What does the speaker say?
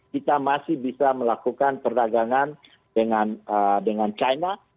kita masih bisa melakukan perdagangan dengan china